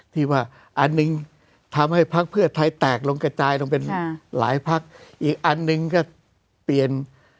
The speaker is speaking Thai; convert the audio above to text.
ที่ว่าอันหนึ่งทำให้พักเพื่อไทยแตกลงกระจายลงเป็นหลายพักอีกอันหนึ่งก็เปลี่ยน